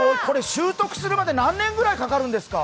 習得するまで何年ぐらいかかるんですか？